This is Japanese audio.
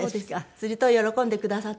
すると喜んでくださって。